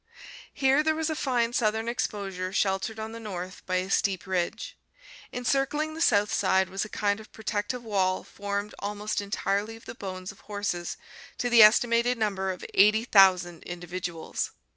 Here there was a fine southern exposure sheltered on the north by a steep ridge. Encircling the south side was a kind of protective wall formed almost entirely of the bones of horses to the estimated number of 80,000 individuals!